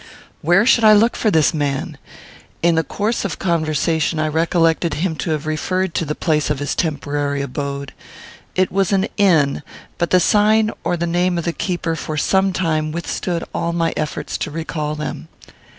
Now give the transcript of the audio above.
Where should I look for this man? In the course of conversation I recollected him to have referred to the place of his temporary abode. It was an inn; but the sign or the name of the keeper for some time withstood all my efforts to recall them.